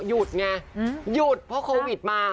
หยุดไงหยุดเพราะโควิดมา